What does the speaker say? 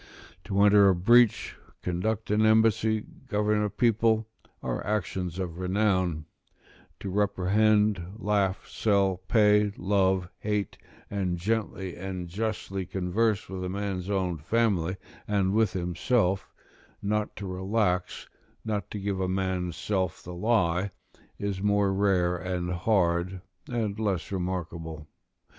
To enter a breach, conduct an embassy, govern a people, are actions of renown; to reprehend, laugh, sell, pay, love, hate, and gently and justly converse with a man's own family and with himself; not to relax, not to give a man's self the lie, is more rare and hard, and less remarkable.